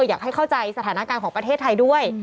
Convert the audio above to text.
อยากให้เข้าใจสถานการณ์ของประเทศไทยด้วย